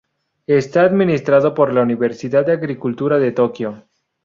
Está administrado por la Universidad de Agricultura de Tokio.